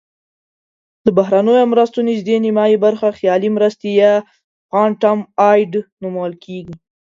د بهرنیو مرستو نزدې نیمایي برخه خیالي مرستې یا phantom aid نومول کیږي.